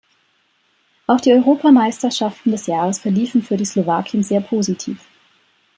Auch die Europameisterschaften des Jahres verliefen für die Slowakin sehr positiv.